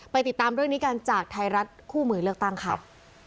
ติดตามเรื่องนี้กันจากไทยรัฐคู่มือเลือกตั้งค่ะ